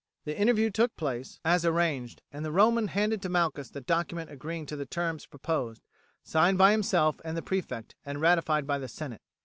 The interview took place as arranged, and the Roman handed to Malchus the document agreeing to the terms proposed, signed by himself and the prefect, and ratified by the senate.